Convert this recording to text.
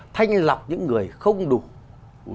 thanh lọc những người không đủ